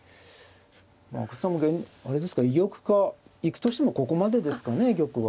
阿久津さんもあれですか居玉か行くとしてもここまでですかね玉は。